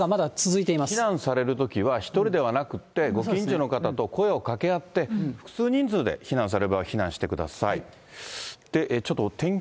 避難されるときは、１人ではなくて、ご近所の方と声をかけ合って、複数人数で避難される場合は避難してください。